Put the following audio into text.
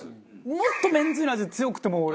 もっとめんつゆの味強くても。